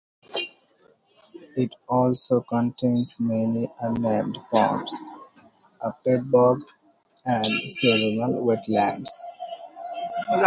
It also contains many unnamed ponds, a peat bog, and seasonal wet lands.